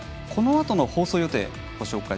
このあとの放送予定です。